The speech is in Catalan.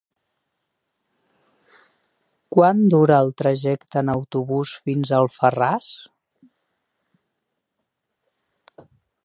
Quant dura el trajecte en autobús fins a Alfarràs?